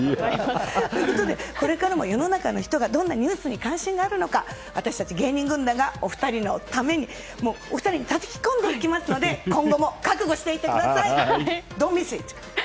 ということで、これからも世の中の人がどんなニュースに関心があるのか私たち芸人軍団がお二人にたたき込んでいきますので今後も覚悟していてください。